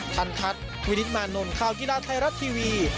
ทันทัศน์วิฤทธิ์แมนนท์ข่าวกีฬาไทยรัตน์ทีวี